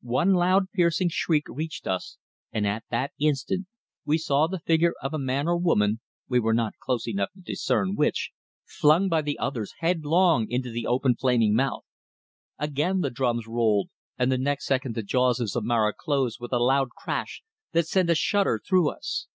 One loud piercing shriek reached us and at that instant we saw the figure of a man or woman we were not close enough to discern which flung by the others headlong into the open flaming mouth. Again the drums rolled, and the next second the jaws of Zomara closed with a loud crash that sent a shudder through us.